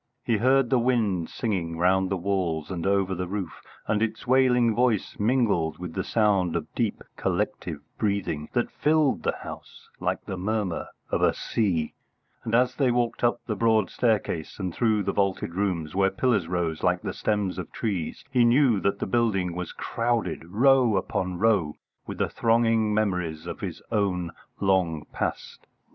He heard the wind singing round the walls and over the roof, and its wailing voice mingled with the sound of deep, collective breathing that filled the house like the murmur of a sea; and as they walked up the broad staircase and through the vaulted rooms, where pillars rose like the stems of trees, he knew that the building was crowded, row upon row, with the thronging memories of his own long past.